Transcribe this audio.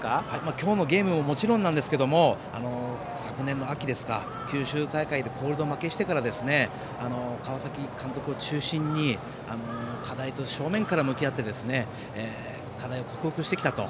今日のゲームももちろんですけども昨年の秋、九州大会でコールド負けしてから川崎監督を中心に課題と正面から向き合い克服してきたと。